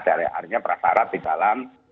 artinya prasarat di dalam